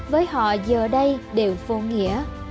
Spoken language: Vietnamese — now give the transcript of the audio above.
với họ giờ đây đều vô nghĩa